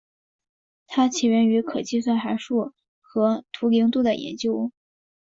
它起源于可计算函数和图灵度的研究。